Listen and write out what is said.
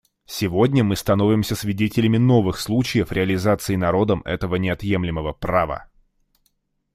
Сегодня мы становимся свидетелями новых случаев реализации народом этого неотъемлемого права.